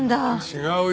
違うよ。